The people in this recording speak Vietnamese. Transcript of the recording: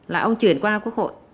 là ông chuyển qua quốc hội